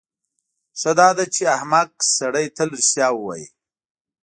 ښه داده چې احمق سړی تل رښتیا ووایي.